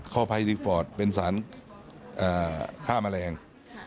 ข้อไพลฟอร์ตเป็นสารฆ่าแมลง